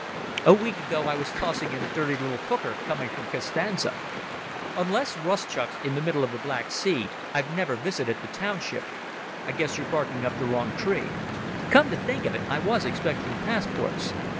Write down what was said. "A week ago I was tossing in a dirty little hooker coming from Constanza. Unless Rustchuk's in the middle of the Black Sea I've never visited the township. I guess you're barking up the wrong tree. Come to think of it, I was expecting passports.